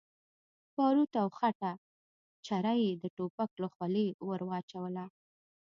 باروت او غټه چره يې د ټوپک له خولې ور واچوله.